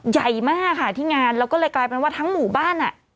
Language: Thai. ใหญ่มากค่ะที่งานแล้วก็เลยกลายเป็นว่าทั้งหมู่บ้านอ่ะ